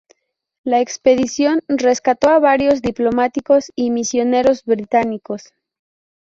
La expedición rescató a varios diplomáticos y misioneros británicos.